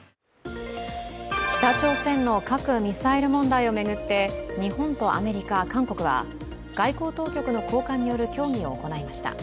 北朝鮮の核・ミサイル問題を巡って日本とアメリカ、韓国は外交当局の高官による協議を行いました。